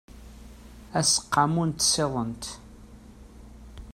aseqqamu n tsiḍent